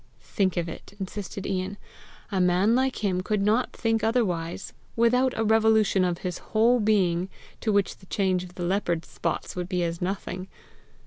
"Think of it," insisted Ian: "a man like could not think otherwise without a revolution of his whole being to which the change of the leopard's spots would be nothing.